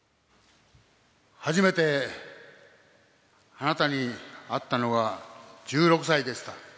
初めてあなたに会ったのは、１６歳でした。